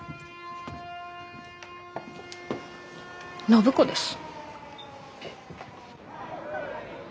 暢子です。